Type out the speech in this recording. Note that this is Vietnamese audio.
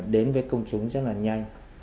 đến với công chúng rất là nhanh